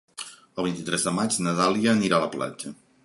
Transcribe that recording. El vint-i-tres de maig na Dàlia anirà a la platja.